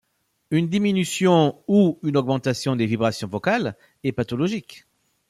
Une diminution ou une augmentation des vibrations vocales est pathologique.